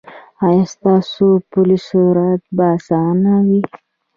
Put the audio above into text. ایا ستاسو پل صراط به اسانه وي؟